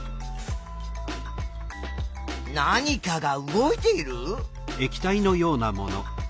何かが動いている？